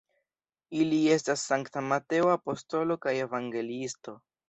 Ili estas Sankta Mateo apostolo kaj evangeliisto.